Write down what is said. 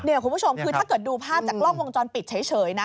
คุณผู้ชมคือถ้าเกิดดูภาพจากกล้องวงจรปิดเฉยนะ